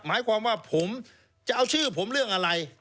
หมายความว่าผมจะเอาชื่อผมเรื่องอะไร